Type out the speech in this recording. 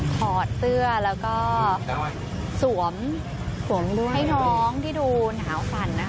ถอดเสื้อแล้วก็สวมให้น้องที่ดูหนาวฝันนะคะ